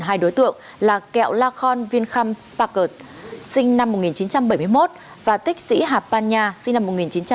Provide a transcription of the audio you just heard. hai đối tượng là kẹo la khon vinh khanh pakert sinh năm một nghìn chín trăm bảy mươi một và tích sĩ hạp pan nha sinh năm một nghìn chín trăm chín mươi sáu